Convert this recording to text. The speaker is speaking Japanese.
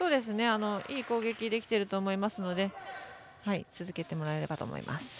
いい攻撃ができていると思うので続けてもらえればと思います。